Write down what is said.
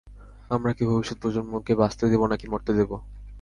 আমরা কি ভবিষ্যৎ প্রজন্মকে বাঁচতে দেব নাকি মরতে দেব?